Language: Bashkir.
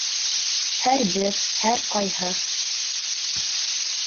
Һәр бер, һәр ҡайһы